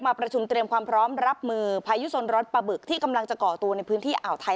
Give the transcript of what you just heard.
ประชุมเตรียมความพร้อมรับมือพายุสนร้อนปลาบึกที่กำลังจะก่อตัวในพื้นที่อ่าวไทย